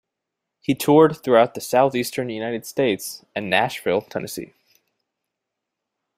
He toured throughout the southeastern United States and Nashville, Tennessee.